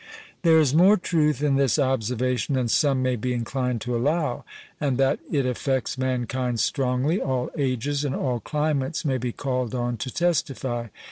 There is more truth in this observation than some may be inclined to allow; and that it affects mankind strongly, all ages and all climates may be called on to testify.